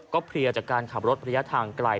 เพลียจากการขับรถระยะทางไกล